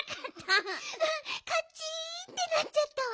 うんカチンってなっちゃったわ。